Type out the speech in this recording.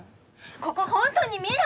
ここホントに未来？